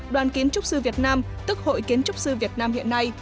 đoàn kiến trúc sư việt nam tức hội kiến trúc sư việt nam hiện nay